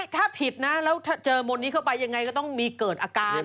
ถ้าผิดนะแล้วถ้าเจอมนต์นี้เข้าไปยังไงก็ต้องมีเกิดอาการ